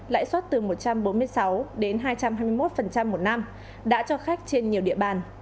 lãi suất từ một trăm bốn mươi sáu đến hai trăm hai mươi một một năm đã cho khách trên nhiều địa bàn